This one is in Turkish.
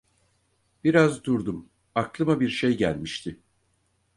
Biraz durdum, aklıma bir şey gelmişti.